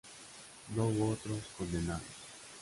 No hubo otros condenados.